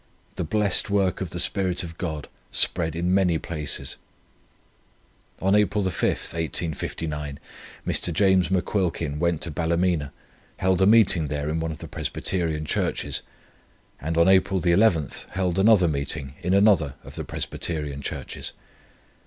The blessed work of the spirit of God spread in many places. On April 5th, 1859, Mr. James McQuilkin went to Ballymena, held a meeting there in one of the Presbyterian Churches; and on April 11th held another meeting in another of the Presbyterian churches.